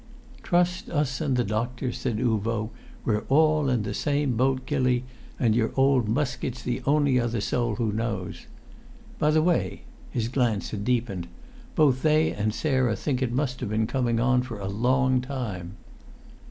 "Trust us and the doctors!" said Uvo. "We're all in the same boat, Gilly, and your old Muskett's the only other soul who knows. By the way" his glance had deepened "both they and Sarah think it must have been coming on for a long time."